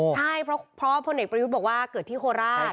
ใช่เพราะพลเอกประยุทธ์บอกว่าเกิดที่โคราช